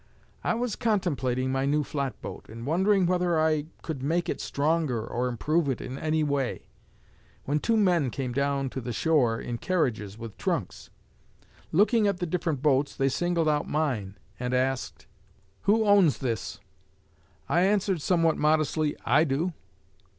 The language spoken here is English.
I was contemplating my new flatboat, and wondering whether I could make it stronger or improve it in any way, when two men came down to the shore in carriages with trunks. Looking at the different boats, they singled out mine and asked, 'Who owns this?' I answered somewhat modestly, 'I do.'